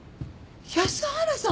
安原さん。